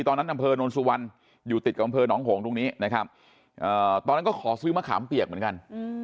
ตอนนั้นอำเภอโนนสุวรรณอยู่ติดกับอำเภอหนองหงตรงนี้นะครับตอนนั้นก็ขอซื้อมะขามเปียกเหมือนกัน